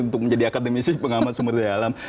untuk menjadi akademisi pengamat sumber daya alam